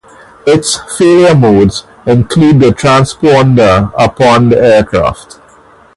Its failure modes include the transponder aboard the aircraft.